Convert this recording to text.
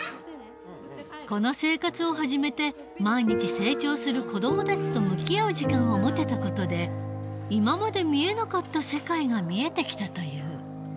この生活を始めて毎日成長する子どもたちと向き合う時間を持てた事で今まで見えなかった世界が見えてきたという。